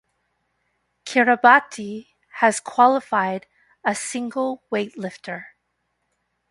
Kiribati has qualified a single weightlifter.